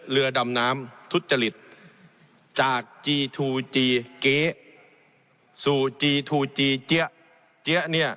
เรือดำน้ำทุจจริตจากจีทูจีเก๊สูแจเจ๋ะเจ๋เนี่ย